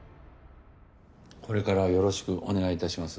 これからよろしくお願い致します。